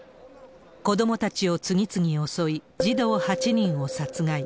子どもたちを次々襲い、児童８人を殺害。